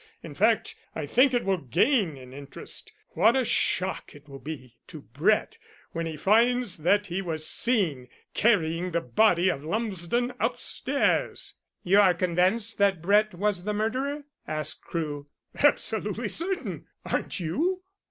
In fact, I think it will gain in interest. What a shock it will be to Brett when he finds that he was seen carrying the body of Lumsden upstairs!" "You are convinced that Brett was the murderer?" asked Crewe. "Absolutely certain. Aren't you?"